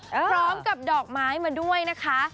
พร้อมกับดอกไม้มาด้วยนะคะ